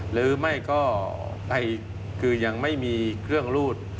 หรือไม่ก็คือยังไม่มีเครื่องรูด